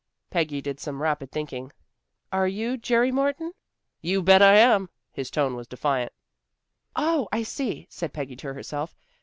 Peggy did some rapid thinking. "Are you Jerry Morton?" "You bet I am." His tone was defiant. "Oh, I see," said Peggy to herself.